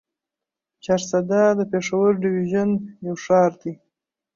چارسده د پېښور ډويژن يو ښار دی.